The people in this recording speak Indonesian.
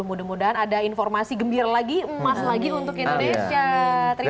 mudah mudahan ada informasi gembira lagi emas lagi untuk indonesia